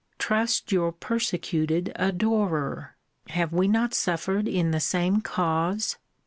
Trust your persecuted adorer. Have we not suffered in the same cause?